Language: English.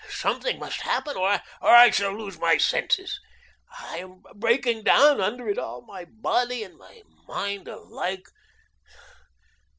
Something must happen or I shall lose my senses. I am breaking down under it all, my body and my mind alike.